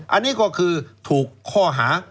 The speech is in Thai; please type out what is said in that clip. อันนี้ก็คือถูกข้อหา